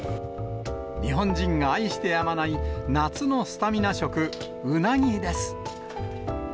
日本人が愛してやまない夏のスタミナ食、うなぎです。